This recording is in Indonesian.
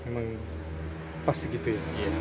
memang pasti gitu ya